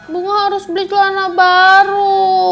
bunga harus beli kelana baru